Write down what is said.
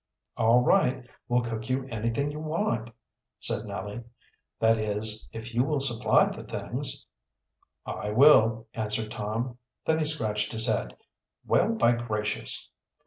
"All right, we'll cook you anything you want," said Nellie. "That is, if you will supply the things." "I will," answered Tom. Then he scratched his head. "Well, by gracious!"